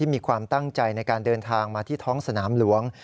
มีความตั้งใจในการเดินทางมาที่ท้องสนามหลวง